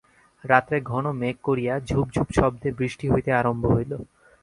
রাত্রে ঘন মেঘ করিয়া ঝুপ ঝুপ শব্দে বৃষ্টি হইতে আরম্ভ হইল।